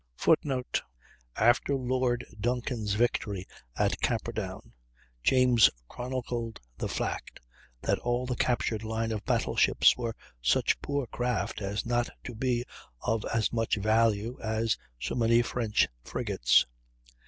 [Footnote: After Lord Duncan's victory at Camperdown, James chronicled the fact that all the captured line of battle ships were such poor craft as not to be of as much value as so many French frigates.